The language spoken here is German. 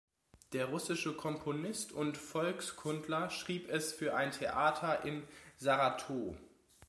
Der russische Komponist und Volkskundler schrieb es für ein Theater in Saratow.